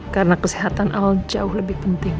karena kesehatan al jauh lebih penting